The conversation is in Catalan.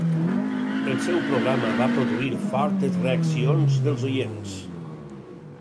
El seu programa va produir fortes reaccions dels oients.